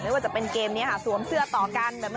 ไม่ว่าจะเป็นเกมซวมเสื้อต่อกัน